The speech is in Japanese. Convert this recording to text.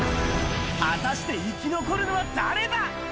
果たして生き残るのは誰だ？